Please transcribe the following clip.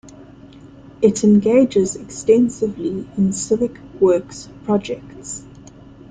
It engages extensively in civic works projects.